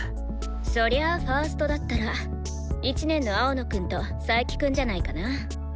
そりゃファーストだったら１年の青野くんと佐伯くんじゃないかな。